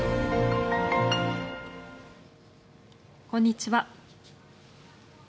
こんにちは。